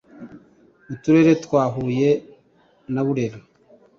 Uturere twa huye na burere